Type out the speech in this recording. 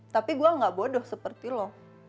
tapi gue gak bodoh seperti lo